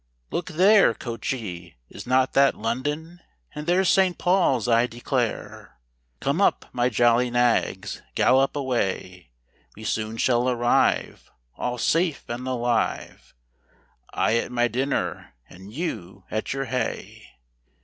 Look there, Coachee, is not that London?— and there's St. Paul's, I declare. Come up, my jolly nags, gallop away; We soon shall arrive, All safe and alive, I at my dinner, and you at your hay.